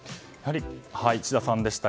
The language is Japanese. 智田さんでした。